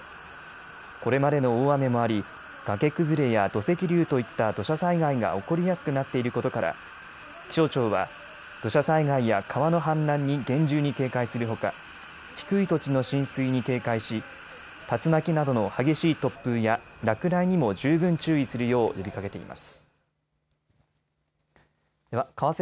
これまでの大雨もあり崖崩れや土石流といった土砂災害が起こりやすくなっていることから気象庁は土砂災害や川の氾濫に厳重に警戒するほか低い土地の浸水に警戒し竜巻などの激しい突風や落雷にも十分注意するよう呼びかけています。